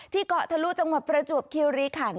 ที่เกาะทะลุจังหวัดประจวบเคียวรีขันต์